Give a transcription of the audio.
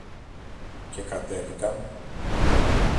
Και κατέβηκαν.